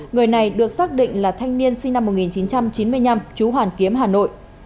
người này được xác định là thanh niên sinh năm một nghìn chín trăm chín mươi năm chú hoàn kiếm hà nội